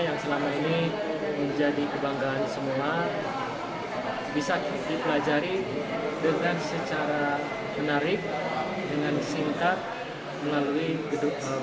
melalui gedung museum arsitektur gedung sate